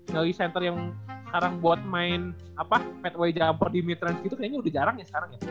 dari center yang sekarang buat main fadeaway jumper di mid range gitu kayaknya udah jarang ya sekarang ya